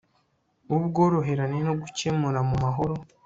w ubworoherane no gukemura mu mahoro